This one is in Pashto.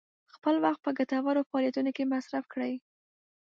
خپل وخت په ګټورو فعالیتونو کې مصرف کړئ.